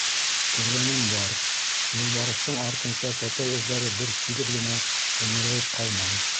Күргәнем бар: юлбарыҫтың артынса тәпәй эҙҙәре бер тигеҙ генә өңөрәйеп ҡалмай.